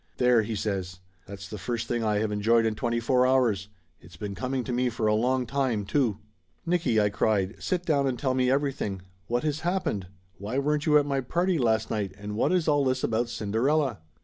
"There!" he says. "That's the first thing I have enjoyed in twenty four hours! It's been coming to me for a long time, too !" "Nicky," I cried, "sit down and tell me everything ! What has happened? Why weren't you at my party last night and what is all this about Cinderella